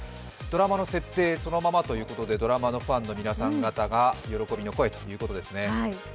ドラマの設定そのままということでドラマのファンの皆さんから喜びの声ということですね。